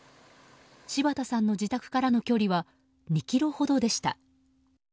柴田さんの自宅からの距離は２ｋｍほどでした。